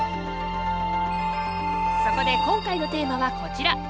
そこで今回のテーマはこちら！